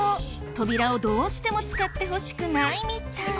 扉をどうしても使ってほしくないみたい。